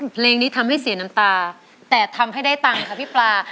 เพลงนี้ทำให้เสียน้ำตาแต่ทำให้ได้ตังค์ค่ะพี่ปลา